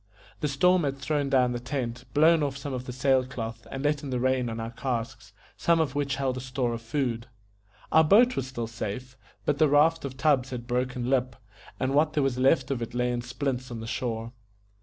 The storm had thrown down the tent, blown off some of the sail cloth, and let in the rain on our casks, some of which held a store of food. Our boat was still safe, but the raft of tubs had broken Lip, and what there was left of it lay in splints on the shore.